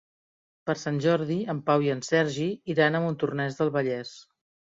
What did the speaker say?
Per Sant Jordi en Pau i en Sergi iran a Montornès del Vallès.